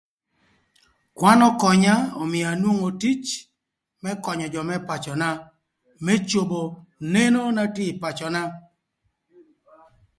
Kwan ökönya ömïö anwongo tic më könyö jö më pacöna, më cobo neno na tye ï pacöna.